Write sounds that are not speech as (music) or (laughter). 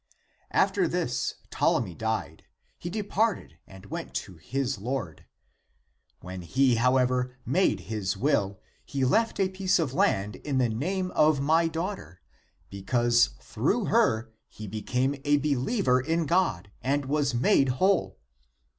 "After this Ptolemy died ; he departed and went to his Lord (p. 139). <When he>, however, (made) his will, he left a piece of land in the name of my daughter, because through her he became a "be liever in God and was made whole.